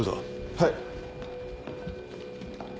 はい。